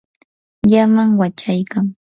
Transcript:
llamam wachaykan.